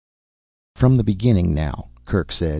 "From the beginning now," Kerk said.